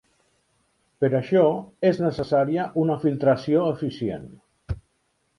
Per això, és necessària una filtració eficient.